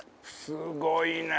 すごいね！